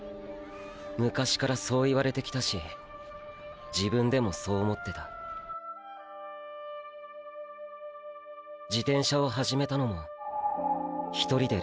昔からそう言われてきたし自分でもそう思ってた自転車を始めたのも１人で練習できるからだ。